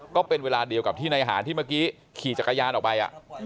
ก็เป็นเวลาเดียวกับที่นายหานที่เมื่อกี้ขี่จักรยานออกไป